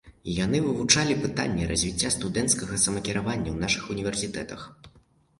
Яны вывучалі пытанні развіцця студэнцкага самакіравання ў нашых універсітэтах.